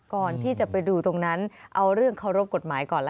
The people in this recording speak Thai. ก่อนที่จะไปดูตรงนั้นเอาเรื่องเคารพกฎหมายก่อนละ